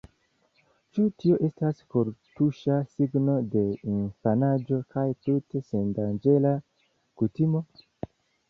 Ĉu tio estas kortuŝa signo de infanaĝo kaj tute sendanĝera kutimo?